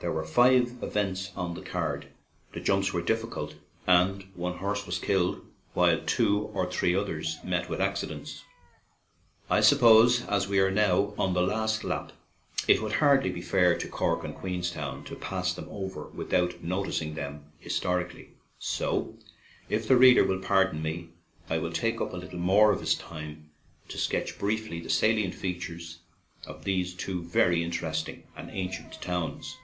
There were five events on the card; the jumps were difficult, and one horse was killed, while two or three others met with accidents. I suppose as we are now on the last lap, it would hardly be fair to Cork and Queens town to pass them over without noticing them historically, so, if the reader will pardon me, I will take up a little more of his time to sketch briefly the salient feat ures of these two very interesting and ancient towns.